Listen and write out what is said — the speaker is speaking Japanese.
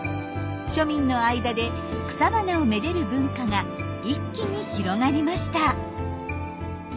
庶民の間で草花をめでる文化が一気に広がりました。